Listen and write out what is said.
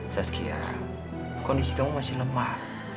saskia kondisi kamu masih lemah